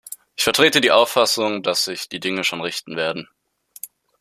Ich vertrete die Auffassung, dass sich die Dinge schon richten werden.